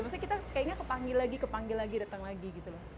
maksudnya kita kayaknya kepanggil lagi kepanggil lagi datang lagi gitu loh